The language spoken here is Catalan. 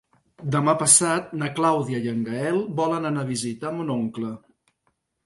Demà passat na Clàudia i en Gaël volen anar a visitar mon oncle.